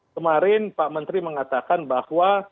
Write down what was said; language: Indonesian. kemarin pak menteri mengatakan bahwa